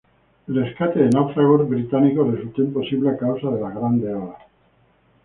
El rescate de náufragos británicos resultó imposible a causa de las grandes olas.